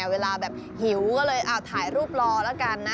เวลาแบบหิวก็เลยถ่ายรูปรอแล้วกันนะ